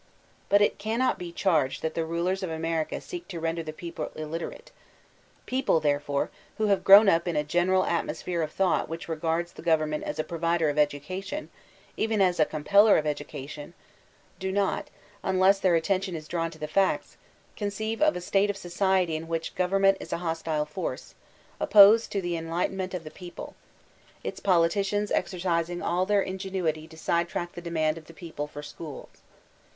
Bat it cannot be charged that the mlers of America seek to render the peoide illiterate. People, therefore, who have grown up in a general at mosphere of thought which regards the government as a provider of education, even as a compeller of education, do not, unless their attention is drawn to the facts, con ceive of a state of society in which government is a hostile force, opposed to the enlightenment of the people, — its politicians exercising all their ingenuity to sidetrack the demand of the people for schools.